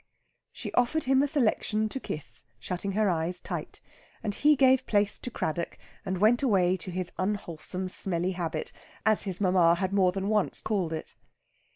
She offered him a selection to kiss, shutting her eyes tight. And he gave place to Craddock, and went away to his unwholesome, smelly habit, as his mamma had more than once called it.